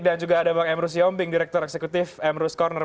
dan juga ada bang emru sion bindirektor eksekutif emru's corner